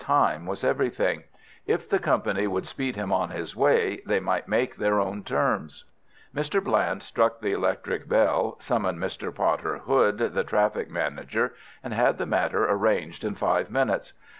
Time was everything. If the company would speed him on his way, they might make their own terms. Mr. Bland struck the electric bell, summoned Mr. Potter Hood, the traffic manager, and had the matter arranged in five minutes.